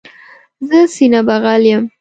زه سینه بغل یم.